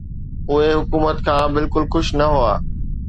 اهي حڪومت کان بلڪل خوش نه هئا.